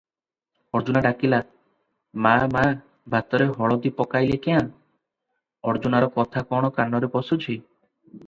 ଅର୍ଜୁନା ଡାକିଲା, "ମା ମା, ଭାତରେ ହଳଦି ପକାଇଲେ କ୍ୟାଁ?" ଅର୍ଜୁନାର କଥା କଣ କାନରେ ପଶୁଛି?